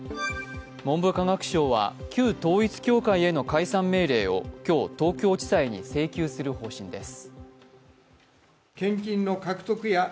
文部科学省は旧統一教会への解散命令を今日東京地裁に請求する方針です。